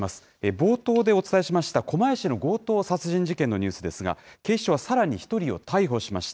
冒頭でお伝えしました狛江市の強盗殺人事件のニュースですが、警視庁はさらに１人を逮捕しました。